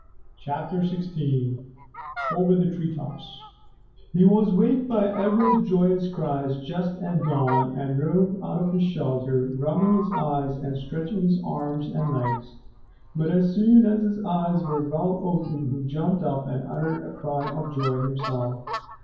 CHAPTER XVI OVER THE TREE TOPS He was waked by Ivra's joyous cries just at dawn, and rolled out of his shelter, rubbing his eyes and stretching his arms and legs. But as soon as his eyes were well open he jumped up and uttered a cry of joy himself.